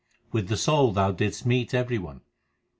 With the soul thou didst meet every one.